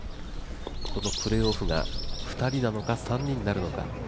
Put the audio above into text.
このプレーオフが２人なのか、３人になるのか。